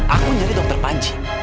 aku nyariin dokter panji